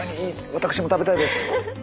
私も食べたいです！